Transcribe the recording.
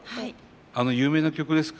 あの有名な曲ですか？